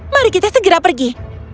mari kita segera pergi